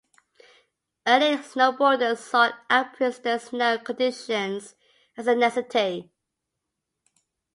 Early snowboarders sought out pristine snow conditions as a necessity.